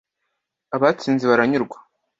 “abatsinze baranyurwa